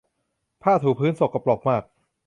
ผ้าถูพื้นสกปรกมาก